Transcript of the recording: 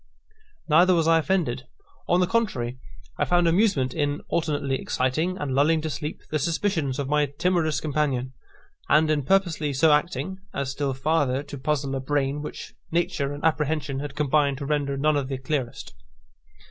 Neither was I offended. On the contrary, I found amusement in alternately exciting, and lulling to sleep, the suspicions of my timorous companion, and in purposely so acting as still farther to puzzle a brain which nature and apprehension had combined to render none of the clearest.